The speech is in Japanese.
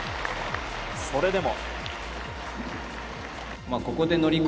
それでも。